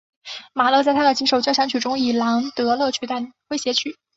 马勒在他的几首交响曲中以兰德勒取代诙谐曲。